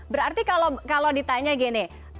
berarti kalau ditanya gini